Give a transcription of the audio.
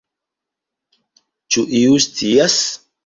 Ĉu iu scias?